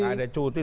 nggak ada cuti